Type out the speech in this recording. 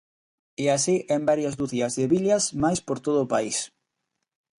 E así en varias ducias de vilas máis por todo o país.